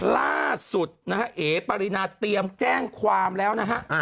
ล่าสุดนะฮะเอ๋ปรินาเตรียมแจ้งความแล้วนะฮะ